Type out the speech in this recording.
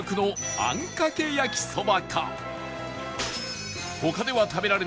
あんかけ焼きそば。